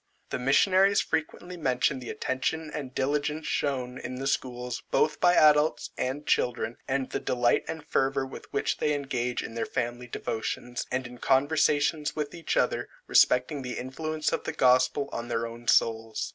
The missionaries frequently mention the attention and diligence shown in the schools, both by adults, and children, and the delight and fervour with which they engage in their family devotions, and in conversations with each other respecting the influence of the gospel on their own souls.